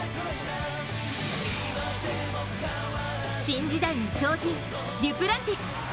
新時代の鳥人デュプランティス。